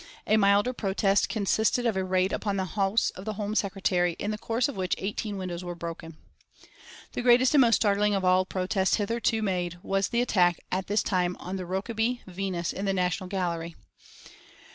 A milder protest consisted of a raid upon the house of the Home Secretary, in the course of which eighteen windows were broken. The greatest and most startling of all protests hitherto made was the attack at this time on the Rokeby "Venus" in the National Gallery.